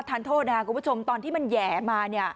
ทานโทษนะครับคุณผู้ชมตอนที่มันแห่มาเนี่ย